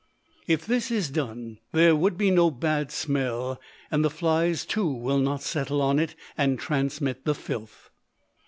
If this is done there would be no bad smell, and the flies too will not settle on it and transmit the filth.